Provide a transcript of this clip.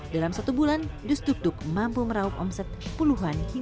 karena setiap pesanan akan disesuaikan dengan tema kreasi serta keinginan pelanggan